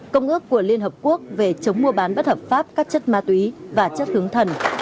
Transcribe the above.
công ước của liên hợp quốc về chống mua bán bất hợp pháp các chất ma túy và chất hướng thần